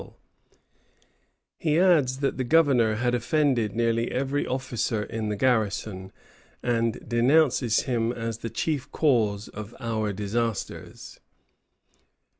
_] He adds that the Governor had offended nearly every officer in the garrison, and denounces him as the "chief cause of our disasters."